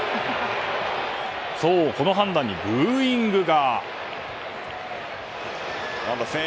この判断にブーイングが。